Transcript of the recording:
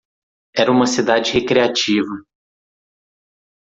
Era uma cidade recreativa.